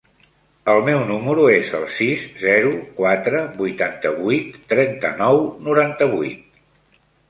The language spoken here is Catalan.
El meu número es el sis, zero, quatre, vuitanta-vuit, trenta-nou, noranta-vuit.